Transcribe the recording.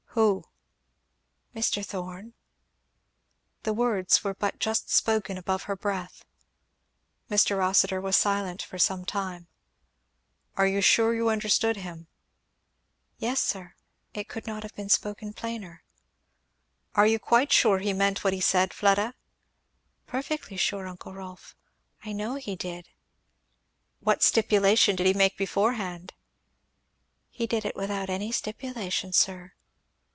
"Who?" "Mr. Thorn." The words were but just spoken above her breath. Mr. Rossitur was silent for some time. "Are you sure you understood him?" "Yes, sir; it could not have been spoken plainer." "Are you quite sure he meant what he said, Fleda?" "Perfectly sure, uncle Rolf! I know he did." "What stipulation did he make beforehand?" "He did it without any stipulation, sir."